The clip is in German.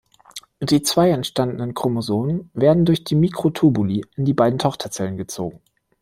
Die zwei entstandenen Chromosomen werden durch die Mikrotubuli in die beiden Tochterzellen gezogen.